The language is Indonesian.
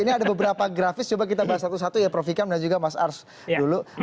ini ada beberapa grafis coba kita bahas satu satu ya prof ikam dan juga mas ars dulu